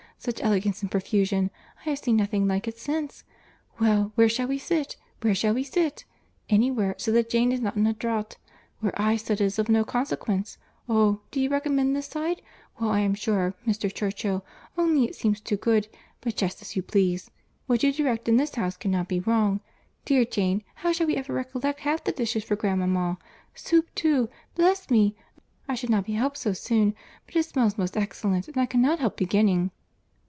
—Such elegance and profusion!—I have seen nothing like it since—Well, where shall we sit? where shall we sit? Anywhere, so that Jane is not in a draught. Where I sit is of no consequence. Oh! do you recommend this side?—Well, I am sure, Mr. Churchill—only it seems too good—but just as you please. What you direct in this house cannot be wrong. Dear Jane, how shall we ever recollect half the dishes for grandmama? Soup too! Bless me! I should not be helped so soon, but it smells most excellent, and I cannot help beginning."